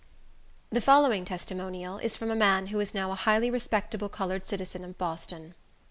The following testimonial is from a man who is now a highly respectable colored citizen of Boston.